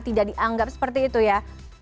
tidak dianggap seperti itu ya